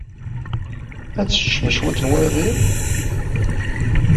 Ad teččemt cwiṭ n waḍil?